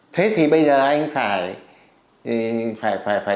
thế thì bây giờ anh phải